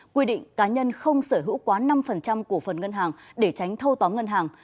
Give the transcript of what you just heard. quy định cá nhân không sở hữu quá năm cổ phần ngân hàng để tránh thâu tóm ngân hàng